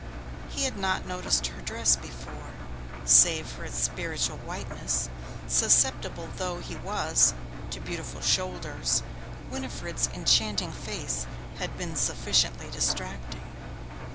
He had not noticed her dress before, save for its spiritual whiteness. Susceptible though he was to beautiful shoulders, Winifred's enchanting face had been sufficiently distracting.